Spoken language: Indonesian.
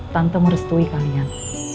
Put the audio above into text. tante merestui kalian